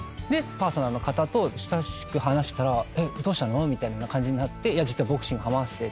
パーソナルの方と親しく話したら「どうしたの？」みたいな感じになって。